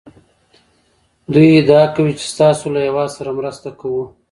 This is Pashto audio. دوی ادعا کوي چې ستاسو له هېواد سره مرسته کوو